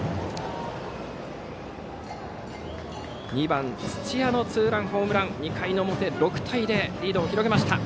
２番、土屋のツーランホームランで２回の表、６対０とリードを広げました。